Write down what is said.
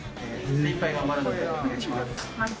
精いっぱい頑張るのでお願いします。